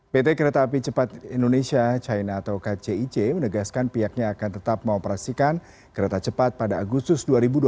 pt kereta api cepat indonesia china atau kcic menegaskan pihaknya akan tetap mengoperasikan kereta cepat pada agustus dua ribu dua puluh tiga